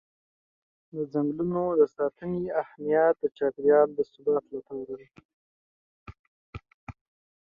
د ځنګلونو د ساتنې اهمیت د چاپېر یال د ثبات لپاره دی.